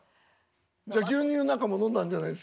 じゃあ牛乳なんかも飲んだんじゃないですか？